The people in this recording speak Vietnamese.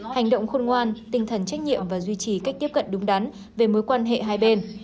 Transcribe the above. hành động khôn ngoan tinh thần trách nhiệm và duy trì cách tiếp cận đúng đắn về mối quan hệ hai bên